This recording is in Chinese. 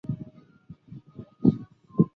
二话不说拉住她的手往回走